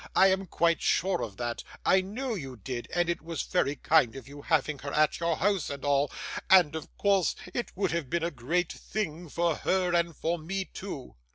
I am quite sure of that; I know you did, and it was very kind of you, having her at your house and all and of course it would have been a great thing for her and for me too.